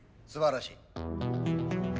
すばらしい。